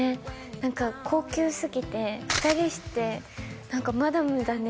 何か高級すぎて２人して「何かマダムだね」